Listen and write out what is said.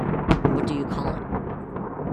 What do you call it?